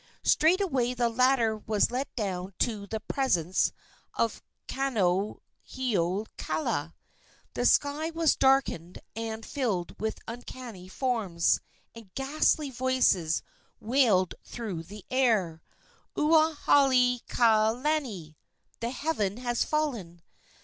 Straightway the ladder was let down to the presence of Kaonohiokala. The sky was darkened and filled with uncanny forms, and ghastly voices wailed through the air, "Ua haule ka lani!" "the heaven has fallen!"